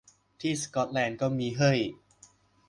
ที่สก๊อตแลนด์ก็มีเห้ย